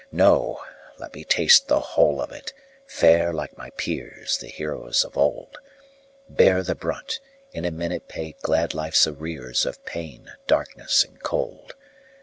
No! let me taste the whole of it, fare like my peers The heroes of old, Bear the brunt, in a minute pay glad life's arrears Of pain, darkness, and cold.